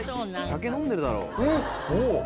酒飲んでるだろ。